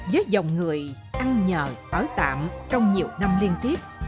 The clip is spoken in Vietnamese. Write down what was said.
với dòng người ăn nhờ ở tạm trong nhiều năm liên tiếp